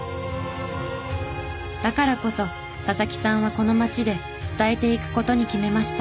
だからこそ佐々木さんはこの町で伝えていく事に決めました。